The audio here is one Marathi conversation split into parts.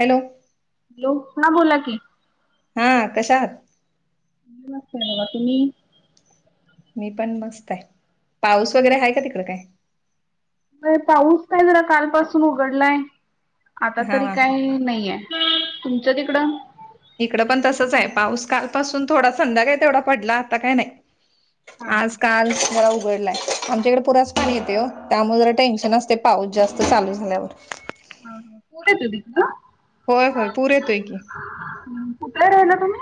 हॅलो. हॅलो हा बोला की हा कशात वातबा तुम्ही मी पण मस्त आहे पाऊस वगैरे आहे का तिकड काय? पाऊस काय जरा काल पासून उघडलाय आता हा तरी हा हा काही नाही आहे. तुमचं तिकडं इकडं पण तसच आहे पाऊस काल पासून थोडा संध्याकाय तेवढा पडला आता काय नाही हा आज हा काल मला उघडलाय आमच्याकडे पुरास पाणी येते हो त्यामुळे जरा टेन्शन असते पाऊस जास्त चालू झाल्यावर पुठे त तला होय होय पूर येतोय की कुठला राल तुम्ही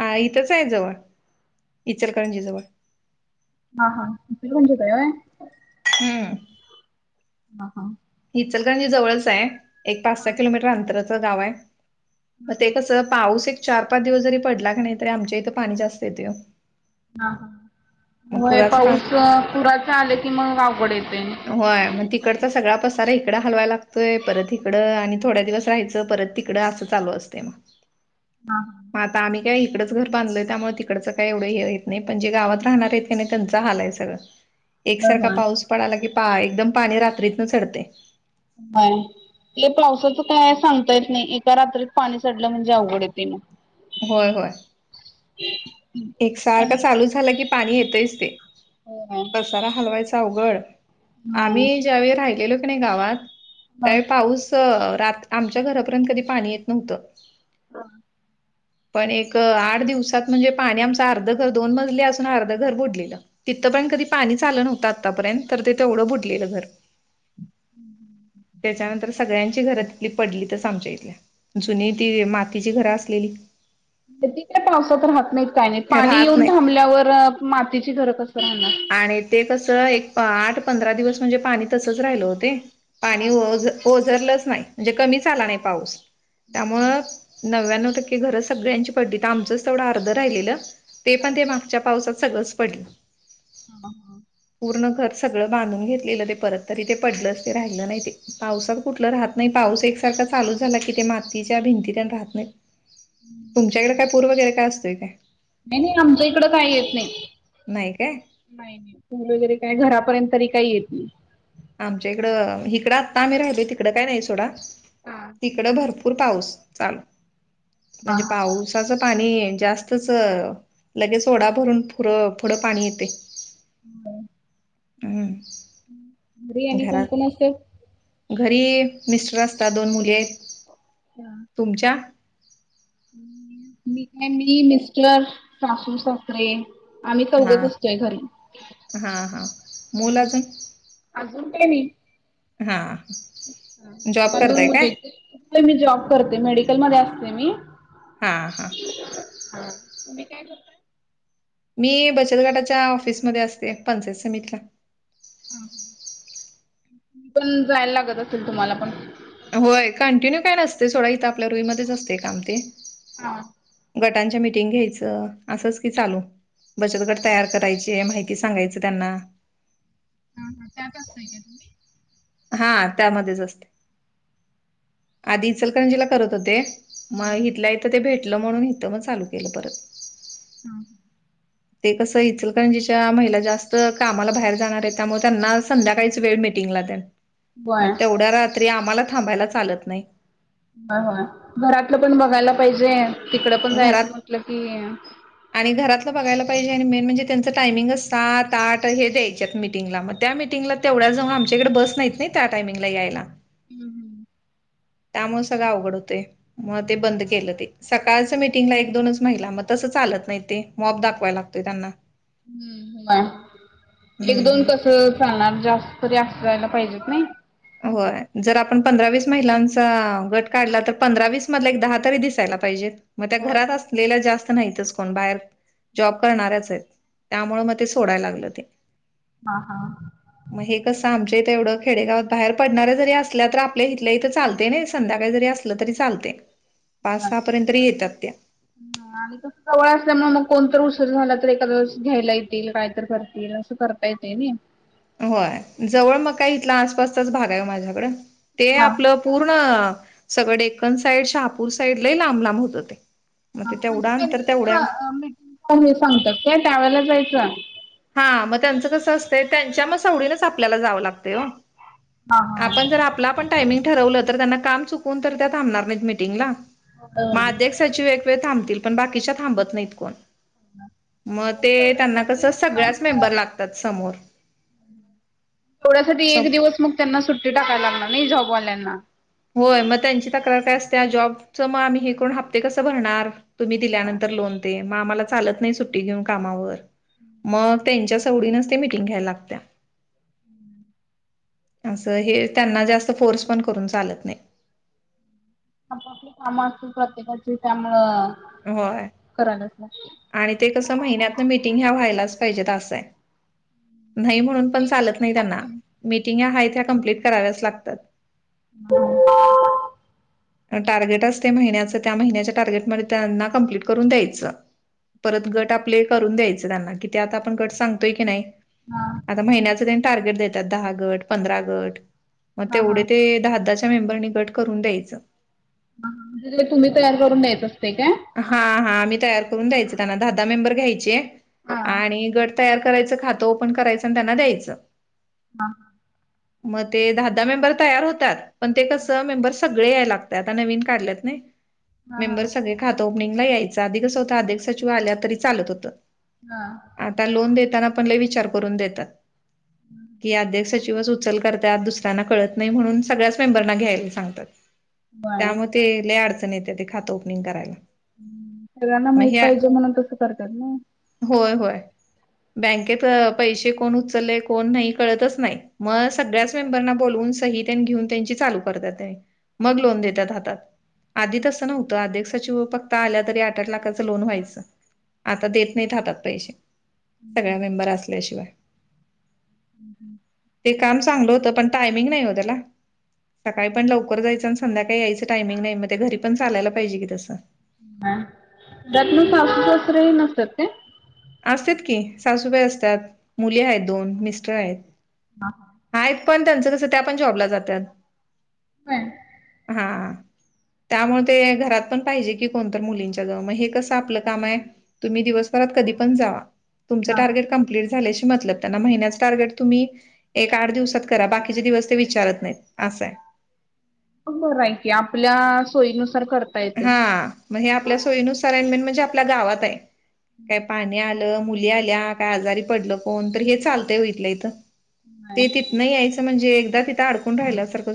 ह इथंच आहे जवळ इचलकरंजी जवळ हा हािल म्हणजू काोय हम्म हा हा हिचलगजी जवळच आहे एक पाच हा सहा किलोमीटर अंतराचं गाव आहे मग हा ते कसं पाऊस एक चार पाच दिवस जरी पडला काी नाही तरी आमच्या इथं पाणी जास्त येते मग ह ह पुराचं पा पाऊस पुराच आले की मग आवड येते होय मग तिकड तर सगळ्यापस सारा इकड हलवायला लागतोय परत इकडं आणि थोड्या दिवस राहायं परत तिकडं असं चालू असते मग [unintelligible] हा हां मग आता आम्ही का इकडच घर बांधलो त्यामुळे तिकडचं काय एवढं हे य नाही पण जे गावात राहणार आहेत काी नाही त्यांचा हाल आहे सगळं एकसारखा बरोबर होय पाऊस पडाला की पा एकदम पाणी रात्रीत न चढते बर आप पावसाचं काय सांगता येत नाही एका रात्रीत पाणी चडलं म्हणजे अवघड येते मग होय होय हम् एकसारखं चालू झाला की पाणी येतच ते होय पसारा हलवायचा अवघड हा आम्ही वेळी राहिो नाही गावात हा त्यावेळी पाऊस ात आमच्या घरापर्यंत कधी पाणी येत नव्हतं हा पण एक आठ दिवसात म्हणजे पाणी आमचं अर्ध घर दोन मजले असून अर्ध घर बुडलेलं तिथं पण कधी पाणी चाललं नव्हतं आत्तापर्यंत तर तेवढं बुडलेलं घर त्याच्यानंतर सगळ्यांची घर तिथली पडली तरच आमच्या इथल्या जुनी ती मातीची घर असलेली त काय पावसात राहत नाहीत काय नाही पाणी राहत येऊन नाही. थांबल्यावर मातीची घरं कस राहणार आणि ते कस एक आठ पंधरा दिवस म्हणजे पाणी तसंच राहिल होते हा पाणी हा. ओझरलंच नाही म्हणजे कमीच आला नाही पाऊस त्यामु नव्याण्णव टक्के घर सगळ्यांची पडली तर आमचंच तेवढं अर्धं राहिलेलं ते पण ते मागच्या पावसाात सगळं पडलं हा हा पूर्ण घर सगळं बांधून घेतलेलं ते परत तरी ते पडलं अस ते राहिलं नाही ते पावसात कुठलं राहत नाही पाऊस एकसारखा चालच झाला कि ते मातीच्या भिंतीत राहत नाही तुमच्याकडे काय पूर वगैर काय असतय का नाही नाही आमच्या इकडं काही येत नाही नाही काय नाही नाही तुम वगैरे का नाही घरापर्यंत तरी काही येत नाही आमच्या इकडं हिकडं आत्ता आम्ही राहिलो तिकडं काय नाही सोडा हा. तिकड भरपूर पाऊस चाल म्हणजे पाऊस साच पाणी जास्तच लगेच ओडा भरून पुुढं पाणी येते हम् हं बिरयाणी कोणकण असत घरी मिस्टर असतात दोन मुले अच्छा तुमच्या मी काय मी मिस्टर साासू सकररे आम्ही हा चौघच असतोय घरी हा हा मूल अजून अजून का म हा जॉब तु्हाला दोन करताय काय? मु मी जॉब करते मेडिकल मध्ये असते मी हां हां हा तुम्ही काय कर मी बचत गटाच्या ऑफिसमध्ये असते पंचायत समिटला ह पण जायला लागत असेल तुम्हाला पण होय कंटिन्यू काय नसते सोडा इथं आपल्या रुईमध्येध्येच असते काम ते हा गटांच्या मीटिंग घ्यायचं असंच की चालू बचतगट तयार करायची माहिती सांगायचं त्यांना हा हा त्यात असतय का तुम्ही हा त्यामध्येच असते आधीचलकरंजीला करत होते मग हथलं इथं ते भेटलं म्हणून इथं मग चालू केलं परत हम ते कसं इचल कारण जिच्या महिला जास्त कामाला बाहेर जाणार आहे त्यामुळे त्यांना संध्याकाळीच वेळ मिळते होय मग तेवढ्या रात्री आम्हाला थांबायला चालत नाही ह घरातलं पण बघायला पाहिजे तिकड पण घरात जायचं म्हटलं की आणि घरातलं बघायला पाहिजे आणि मेन म्हणजे त्यांचं टायमिंग सात आठ हे द्यायच्यात मीटिंगला मग त्या मीटिंगला तेवढ्याचजऊन आमच्याकडे बस नाहीत नाही त्या टाइमिंगला यायला हम् हम त्यामुळे सगळं अवघड होतोय मग ते बंद केलं ते सकाळच मीटिंगला एक दोनच महिला मग तसं चालत नाही ते मॉब दाखवायला लागत त्यांना. हम् एक दोन हम्म कस चालणार जास्त तरी असं जायला पाहिजेत नाही होय जर आपण पंधरा वस महिलांचा गट काढला तर पंधरावीस मधला एक दहा तरी दिसायला पाहिजेत. मग त्या होय. घरात असलेल्या जास्त नाहीतच कोण बाहेर. जॉब करणाऱ्याच आहेत त्यामुळेळ मग ते सोडायला लागलं ते. हा हा. मग हे कसं आमच्या इथ तेवढं खेडेगाव बाहेर पडणाऱ्या जरी असल्या तर आपल्या इथल्या इथं चालते नाही संध्याकाळी जरी असलं तरी चालते पाच सहा पर्यंत येतात त्या. ह आणि. जवय असल्यामुळे मग कोणत उसर झाला तर एखद्यास घ्यायला येतील काय तर करतील असं करता येते नाही होय जवळ मग काय इथला आसपासचाच भाग आहे माझ्याकड ते हा आपलं. पूर्ण सगळ डेक्कन साईड शहापूर साईड लाही लांब लांब होत हो ते मग ते तेवढ्या नंतर तेवढ्या. प हे सांगतात काय त्यावेला जायचं. हा मग त्यांचं कसं असतं त्यांच्या मग स एवडीनच आपल्याला जावं लागते हो. हा हा. आपण जर आपला पण टायमिंग ठरवलं तर त्यांना काम चुकून तर त्या थांबणार नाही मिीटिंगला. होय म होय. अध्यक्षची वेगवेळ थांबतील पण बाकीच्या थांबत नाहीत कोण. मग ते त्यांना कसं सगळ्याच मेंबर लागतात समोर. तेवड्यासाठी एक दिवस मग त्यांना सुट्टी टाकायला लागणार नाही जॉबवाल्यांना. होय मग त्यांची तक्रार काय असतीया जॉबच मग आम्ही हे करुण हप्ते कसं भरणार. तुम्ही दिल्यानंतर लोन दे मग आम्हाला चालत नाही सुट्टी घेऊन कामावर मग त्यांच्या. तेवडींच ते मिटींग घ्यायला लागतते. हम्म. असं हे त्यांना जास्त फोर्स पण करून चालत नाही. आपपली काम असतात प्रत्येकाची त्यामुळं होय करायलाच लागते. आणि ते कसं महिन्यातन मिटिंग ह्या व्हायलाच पाहिजेत असंय. नाही म्हणून पण चालत नाही त्यांना मिटिंग ह्या आहेत त्या कमप्लिट कराव्याच लागतात. हा. टार्गेट असते महिन्याचं त्या महिन्याच्या टार्गेट म त्यांना कम्प्लीट करून द्यायचं. परत गट आपले करून द्यायच त्यांना कि ते आता आपण गट सांगतोय की नाही. हा आता महिन्याच त्यांनी टार्गेट देतात दहा गट पंधरा गट मग तेवढे ते दहा दहाच्या मेंबरनी गट करून द्यायचं. हा म्हणजे ते तुम्ही तयार करून द्यायचं असतय काय. हा हा मी तयार करून द्यायच त्यांना दहा दहा मेंबर घ्यायचे आणि गट तयार करायचं खातं ओपन करायचं आणि त्यांना द्यायचं. हां मग ते दहा दहा मेंबर तयार होतात पण ते कस मेंबर सगळे यायलागतात नवीन काढल्यात नाही मेंबर सगळे ओपनिंगला यायचं आधी कस होतं अधिक सचिव आल्या तरी चालत होतं. हा आता लोन देताना पण लई विचार करून देतात. कि अध्यक्ष सचिवच उचल करतात दुस ऱ्यांना कळत नाही म्हणून सगळ्याचं मेंबरना घ्यायला सांगतात बर त्यामुळं ते लई अडचण येते ते खातं ओपनिंग करायला. सगळ्यांना मग माहित हे पाहिजे म्हणून तस करतात नव. होय होय बँकेत पैसे कोण उचलले कोण नाही कळतच नाही. म सगळ्याच मेंबरना बोलवून सही तेन घेऊन त्यांची चालू करतात त्यांनी. मग लोन देत्यात हातात आधी तसं नव्हतं अध्यक सचिव फक्त आल्या तरी आठ आठ लाखाच लोन व्हायचं आता देत नाहीत हातात पैसे. सगळ्या मेंबर असल्याशिवाय. ते काम चांगलं होतं पण टायमिंग नाही हो त्याला सकाळी पण लवकर जायचं आणि संध्याकाळी यायचं टायमिंग नाही म घरी पण चालायला पाहिजे की तसं. ह त्यातनं सासू सासरे नसत्यात काय? असत की सासूबाई असत्यात मुली आहेत दोन मिस्टर आहेत. हा आहेत पण त्यांचं कसं त्या पण जॉबला जातात. होय. हां त्यामुळे ते घरात पण पाहिजे की कोणतरं मुलींच्या जवळ मग हे कसं आपलं काम आहे. तुम्ही दिवसभरात कधी पण जावा. तुमचं टार्गेट कंप्लीट झाल्याशी मतलब त्यांना महिन्याच टार्गेट तुम्ही एक आठ दिवसात करा बाकीचे दिवस ते विचारत नाहीत असं आहे. मग बरं आहे की आपल्या सोयीनुसार कर हा मग हे आपल्या सोयीनुसार आणि मेनं म्हणजे आपल्या गावात आहे काय पाणी आलं मुली आल्या काय आजारी पडल कोण तर हे चालतंय ओ इथल्या इथं ते तिथनं यायचं म्हणजे एकदा तिथं अडकून राहिल्या सारखं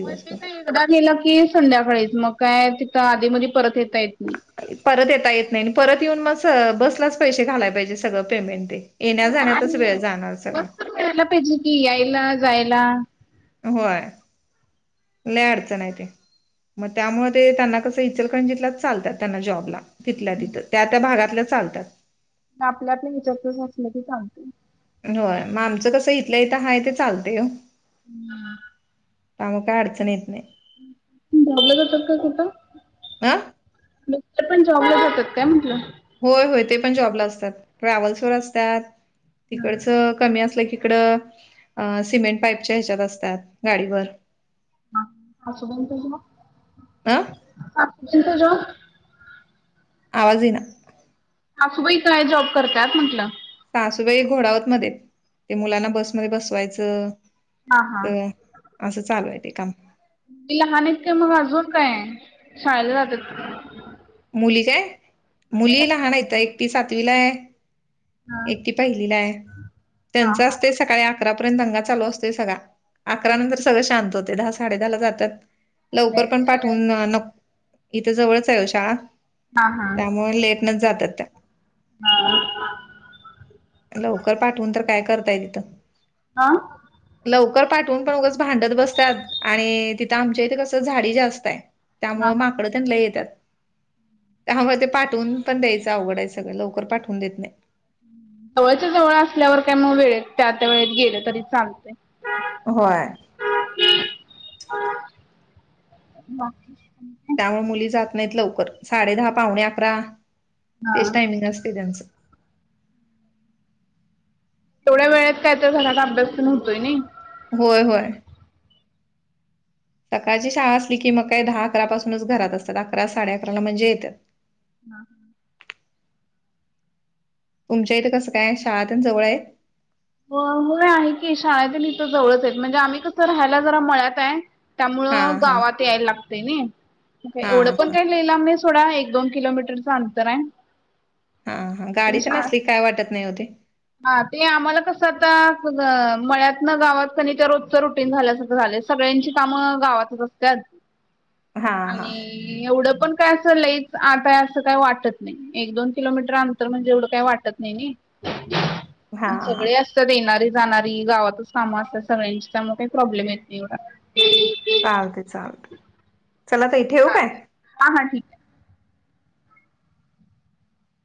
मग ते एकदा गेलं की संध्याकाळीच मग काय तिथं आधी मधी परत येता येत नाही परत येता येत नाही परत येऊन मग बसलाच पैसे घालायला पाहिजे सगळं पेमेंट ते येण्या जाण्यातच वेळ जाणार सगळा [unintelligible] पाहिजे की यायला जायला. होय लई अडचण आहे ते. मग त्यामुळ ते त्यांना कसं इचलकरंजितलाच चालतात त्यांना जॉबला. तिथल्या तिथं त्या त्या भागातल्या चालतात. आपल्या आपल्या [unintelligible] असलं की चालतंय होय मग आमचं कसं इथल्या इथं हाय ते चालतय ओ हम्म त्यामुळं काय अडचणी येत नाहीत बघत होत का कुठं अ मिस्टरपण जॉबला जातात काय म्हटलं होय होय ते पण जॉबला असतात ट्रॅव्हल्स वर असतात तिकडच कमी असलं की इकड सिमेंट पाईपच्या ह्याच्यात असतात गाडीवर अ [unintelligible] आवाज येईना सासूबाई काय जॉब करतात म्हटलं सासूबाई घोडावतमध्ये आहेत ते मुलांना बसमध्ये बसवायचं असं चालू आहे ते काम ति लहान आहेत काय मग अजून काय आहे शाळेला जातात मुली काय मुली लहान आहेतं एकटी सातवीला आहे एकटी पहिलीला आहे त्यांच असतयं सकाळी अकरापर्यंत दंगा चालू असतोय सगळा अकरा नंतर सगळं शांत होतंय दहा साडे दहाला जातात लवकर पण पाठवून नक इथं जवळच आहे ओ शाळा हां हां. त्यामुळे लेटनच जातात त्या हां. लवकर पाठवून तर काय करताय तिथं हा लवकर पाठवून पण उगच भांडत बसतात आणि तिथं आमच्या इथे कसं झाडी जास्त आहे त्यामु माकडं तेन लय येतात त्यामुळे ते पाठून पण द्यायचं अवघड आहे सगळं लवकर पाठवून देत नाही जवळच्या जवळ असल्यावर काय मग वेळेत त्या त्या वेळेत गेलं तरी चालतंय होय बाकी त्यामुळे मुली जात नाहीत लवकर साडे दहा पावणे अकरा तेच हां. टायमिंग असतयं त्यांचं तेवढ्या वेळेत काय तर झाला तर अभ्यास पण होतोय नी होय होय सकाळची शाळा असली की मग काही दहा अकरा पाासूनच घरात असतात अकरा साडे अकराला म्हणजे येतात हम्म तुमच्या इथं कसं काय शाळा तेन जवळ आहे होय होय आहे की शाळा तेन इथ जवळच आहेत म्हणजे आम्ही कस राहायला जरा मळ्यात आहे हा त्यामुळं हा गावात यायला लागतंय नी हा एवढं पण हा काय लय लांब नाही सोडा एक-दो किलोमीटरचं अंतर आहे हम्म हम्म गाडी तेन असली की काय वाटत नाही ओ ते हा ते आम्हाला कसं आता मळ्यात न गावात कणी ते रोजच रुटीन झाल्यासारखं झालंय सगळ्यांची कामं गावातच असतात [inaudible] हा आणि एवढं पण काय असं लईच अंतर आहे असं वाटत नाही एक दोन किलोमीटर अंतर म्हणजे एवढं काही वाटत नाही हा ना हा सगळे अस येणारी जाणारी गावातच कामं असतात सगळ्यांची त्यामुळे काही प्रॉब्लेम येत नाही एवढा चालते चालते चला त इ ठेव काय हां हां ठीक आहे